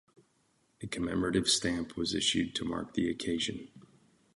A commemorative stamp was issued to mark the occasion.